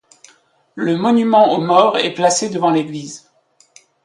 Le monument aux morts est placé devant l'église.